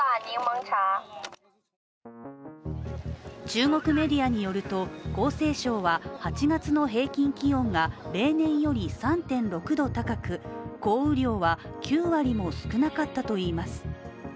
中国メディアによると、江西省は８月の平均気温が例年より３．６度高く降雨量は９割も少なかったといいます。